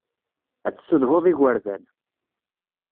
Ad tessedhuḍ igerdan.